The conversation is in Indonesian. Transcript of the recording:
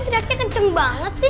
tadi teh kenceng banget sih